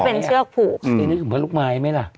แต่หนูจะเอากับน้องเขามาแต่ว่า